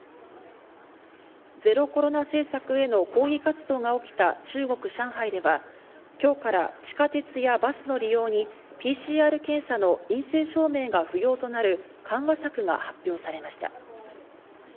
ゼロコロナ政策への抗議活動が起きた中国・上海では今日から地下鉄やバスの利用にＰＣＲ検査の陰性証明が不要となる緩和策が発表されました。